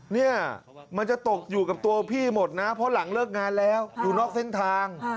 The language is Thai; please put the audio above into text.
เนี่ยมันจะตกอยู่กับตัวพี่หมดนะเพราะหลังเลิกงานแล้วอยู่นอกเส้นทาง